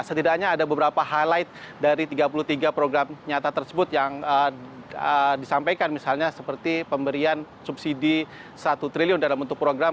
setidaknya ada beberapa highlight dari tiga puluh tiga program nyata tersebut yang disampaikan misalnya seperti pemberian subsidi satu triliun dalam bentuk program